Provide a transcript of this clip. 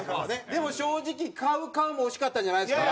でも正直ＣＯＷＣＯＷも惜しかったんじゃないですか？